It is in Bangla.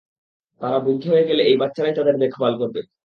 তারা বৃদ্ধ হয়ে গেলে এই বাচ্চারাই তাদের দেখবাল করবে।